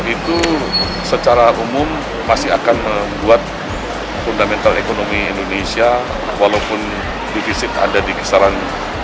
itu secara umum masih akan membuat fundamental ekonomi indonesia walaupun divisit ada di kisaran